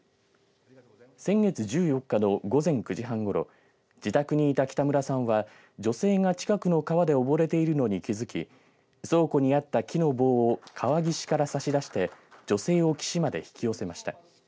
先月１４日の午前９時半ごろ自宅にいた北村さんは女性が近くの川でおぼれているのに気づき倉庫にあった木の棒を川岸から差し出して女性を岸まで引き寄せました。